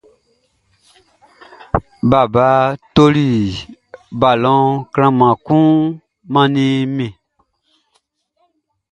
Baba toli balɔn klanhan kun man mi.